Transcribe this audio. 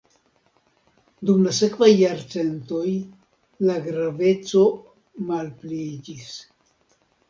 Dum la sekvaj jarcentoj la graveco malpliiĝis.